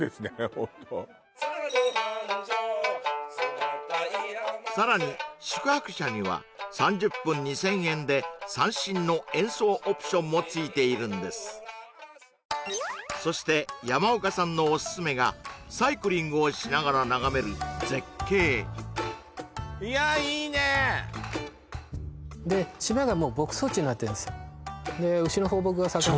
ホントさらに宿泊者には３０分２０００円で三線の演奏オプションもついているんですそして山岡さんのおすすめがいやいいねで島がもう牧草地になってますで牛の放牧が盛んで